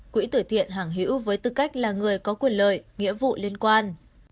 quỹ tử thiện hàng hữu với tư cách là người có quyền lợi nghĩa vụ liên quan